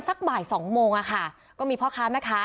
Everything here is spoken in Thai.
สักบ่ายสองโมงอะค่ะก็มีพ่อค้าแม่ค้า